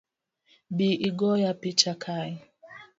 Bi igoya picha kae